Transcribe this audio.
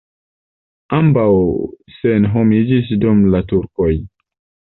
Ambaŭ senhomiĝis dum la turkoj.